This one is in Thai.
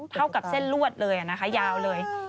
เท่ากับเส้นลวดเลยนะคะยาวเลย